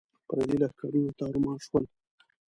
پردي لښکرونه تارو مار شول.